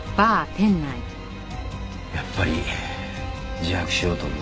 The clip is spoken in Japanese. やっぱり自白しようと思う。